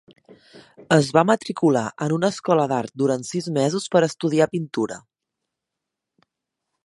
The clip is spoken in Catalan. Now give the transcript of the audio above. Es va matricular en una escola d'art durant sis mesos per estudiar pintura.